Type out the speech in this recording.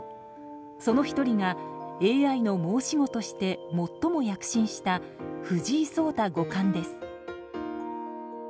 その１人がＡＩの申し子として最も躍進した藤井聡太五冠です。